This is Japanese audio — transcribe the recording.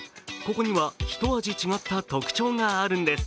ここには、ひと味違った特徴があるんです。